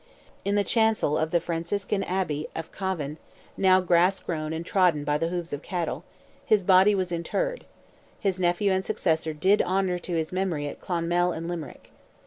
In the chancel of the Franciscan Abbey of Cavan, now grass grown and trodden by the hoofs of cattle, his body was interred; his nephew and successor did honour to his memory at Clonmel and Limerick.